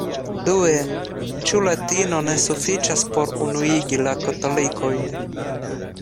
Due, ĉu latino ne sufiĉas por unuigi la katolikojn.